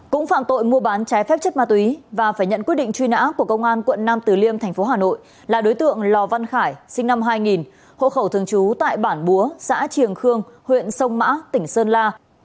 cũng phạm tội mua bán trái phép chất ma túy và phải nhận quyết định truy nã của công an quận nam từ liêm thành phố hà nội là đối tượng lò văn khải sinh năm hai nghìn hộ khẩu thường trú tại bản búa xã triềng khương huyện sông mã tỉnh sơn la